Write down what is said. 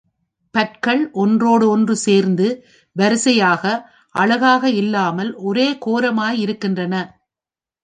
பற்கள் ஒன்றோடொன்று சேர்ந்து, வரிசையாக, அழகாக இல்லாமல் ஒரே கோரமாய் இருக்கின்றன.